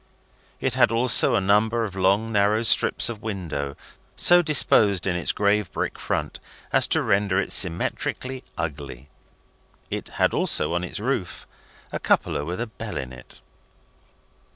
It had also a number of long narrow strips of window, so disposed in its grave brick front as to render it symmetrically ugly. It had also, on its roof, a cupola with a bell in it.